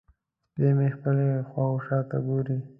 سپی مې خپلې شاوخوا ته ګوري.